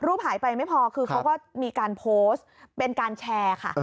หายไปไม่พอคือเขาก็มีการโพสต์เป็นการแชร์ค่ะ